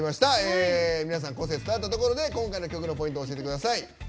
皆さんの個性が伝わったところで今回の曲のポイントを教えてください。